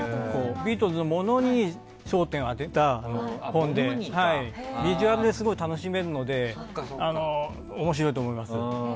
ビートルズのものに焦点を当てた本でビジュアルですごい楽しめるので面白いと思います。